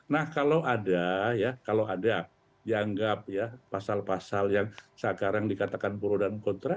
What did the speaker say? nah kalau ada ya kalau ada dianggap ya pasal pasal yang sekarang dikatakan pro dan kontra